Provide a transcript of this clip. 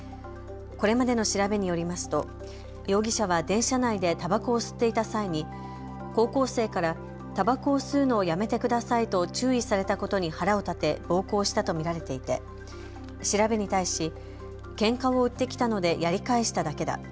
これまでの調べによりますと容疑者は電車内でたばこを吸っていた際に高校生からたばこを吸うのをやめてくださいと注意されたことに腹を立て暴行したと見られていて調べに対し、けんかを売ってきたのでやり返しただけだ。